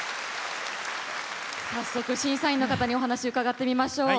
早速審査員の方にお話伺ってみましょう。